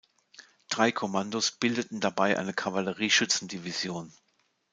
Drei Kommandos bildeten dabei eine Kavallerie-Schützen-Division.